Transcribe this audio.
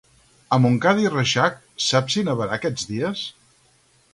A Montcada i Reixac, saps si nevarà aquests dies?